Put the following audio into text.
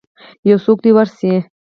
یوڅوک دی ورشئ